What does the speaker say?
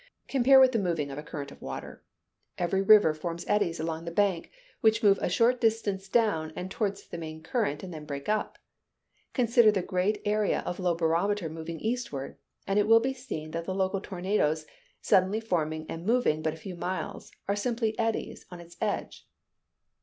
Compare with the moving of a current of water. Every river forms eddies along the bank, which move a short distance down and toward the main current, and then break up. Consider the great area of low barometer moving eastward, and it will be seen that the local tornadoes, suddenly forming and moving but a few miles, are simply eddies on its edge.